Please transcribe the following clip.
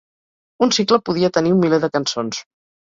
Un cicle podia tenir un miler de cançons.